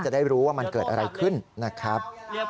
จะได้รู้ว่ามันเกิดอะไรขึ้นนะครับ